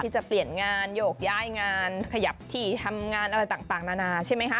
จะเปลี่ยนงานโยกย้ายงานขยับที่ทำงานอะไรต่างนานาใช่ไหมคะ